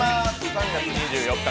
３月２４日